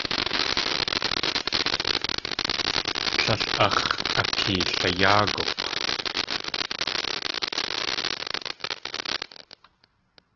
Líl áx̲ akeelayáaguk̲!